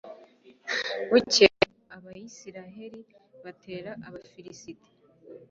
bukeye, abayisraheli batera abafilisiti